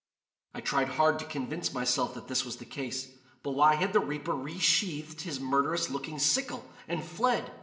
I tried hard to convince myself that this was the case; but why had the reaper resheathed his murderous looking sickle and fled?